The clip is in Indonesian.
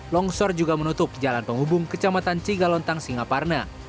longsor juga menutup jalan penghubung kecamatan cigalontang singaparna